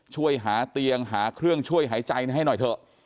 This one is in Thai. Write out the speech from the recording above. ช่วยหาเตียงหาเครื่องช่วยหายใจให้หน่อยเถอะ